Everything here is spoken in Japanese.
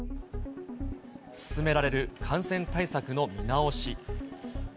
進められる感染対策の見直し。